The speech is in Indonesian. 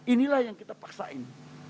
inilah yang kita paksain